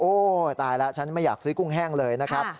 ตายแล้วฉันไม่อยากซื้อกุ้งแห้งเลยนะครับ